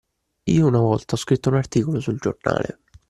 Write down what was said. Io una volta ho scritto un articolo sul giornale